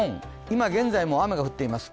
今現在も雨が降っています。